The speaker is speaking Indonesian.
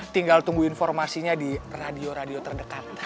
tinggal tunggu informasinya di radio radio terdekat